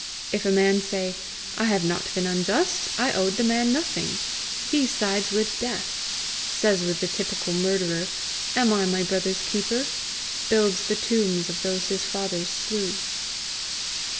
If a man say, 'I have not been unjust; I owed the man nothing;' he sides with Death says with the typical murderer, 'Am I my brother's keeper?' builds the tombs of those his fathers slew."